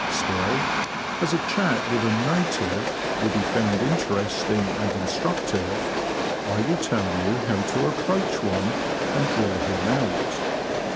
Still, as a chat with a ^' native " will be found interesting and instructive, I will tell you how to approach one, and draw him out.